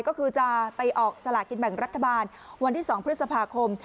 ก็คือจะไปออกสลากินแบ่งรัฐบาลวันที่๒พฤษภาคม